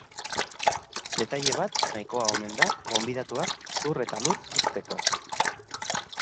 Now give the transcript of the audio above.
Detaile bat nahikoa omen da gonbidatuak zur eta lur uzteko.